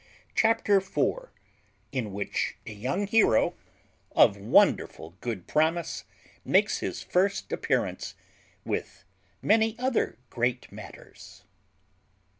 CHAPTER FOUR IN WHICH A YOUNG HERO, OF WONDERFUL GOOD PROMISE, MAKES HIS FIRST APPEARANCE, WITH MANY OTHER GREAT MATTERS.